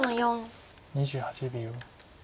２８秒。